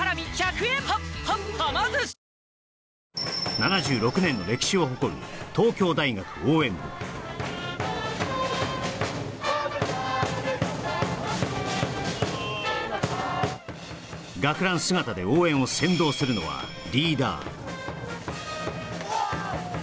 ７６年の歴史を誇る東京大学応援部ただ一つ旗かげ高し学ラン姿で応援を先導するのはリーダー